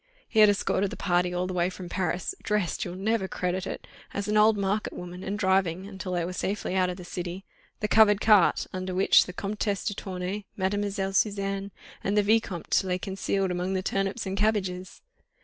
He had escorted the party all the way from Paris, dressed—you'll never credit it!—as an old market woman, and driving—until they were safely out of the city—the covered cart, under which the Comtesse de Tournay, Mlle. Suzanne, and the Vicomte lay concealed among the turnips and cabbages.